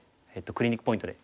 クリニックポイントで。